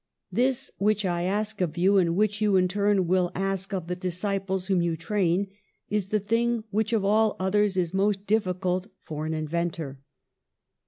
This which I ask of you, and which you in turn will ask of the disciples whom you train, is the thing which of all others is most difficult for an in ventor.